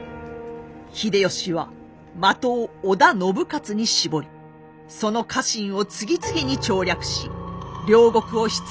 秀吉は的を織田信雄に絞りその家臣を次々に調略し領国を執拗に攻撃。